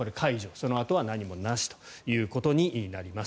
そのあとは何もなしということになります。